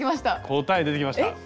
答え出てきました。